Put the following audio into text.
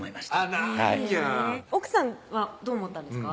なんや奥さんはどう思ったんですか？